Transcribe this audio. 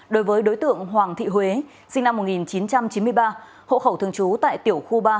đối với đối tượng hoàng thị huế sinh năm một nghìn chín trăm chín mươi ba hộ khẩu thường trú tại tiểu khu ba